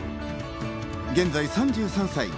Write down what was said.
現在３３歳。